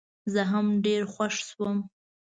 زه هم ډېر خوښ شوم.